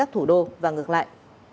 thủ đô và ngược lại